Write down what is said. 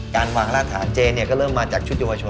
การวางหละถานเจเนี่ยก็เริ่มมาจากชุดยาวชน